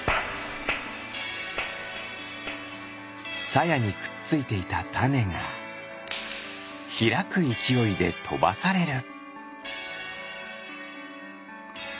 さやにくっついていたたねがひらくいきおいでとばされる。